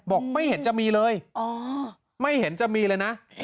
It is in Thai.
บอกไม่เห็นจะมีเลยไม่เห็นจะมีเลยนะ